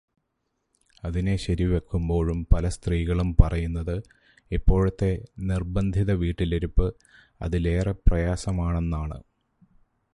അതിനെ ശരിവെക്കുമ്പോഴും പല സ്ത്രീകളും പറയുന്നത് ഇപ്പോഴത്തെ നിർബന്ധിതവീട്ടിലിരുപ്പ് അതിലേറെ പ്രയാസമാണെന്നാണ്.